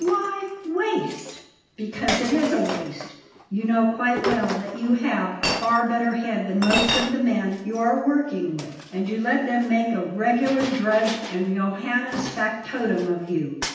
"Why 'waste'?" "Because it is waste. You know quite well that you have a far better head than most of the men you are working with, and you let them make a regular drudge and Johannes factotum of you.